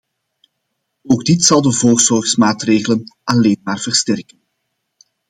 Ook dit zal de voorzorgsmaatregelen alleen maar versterken.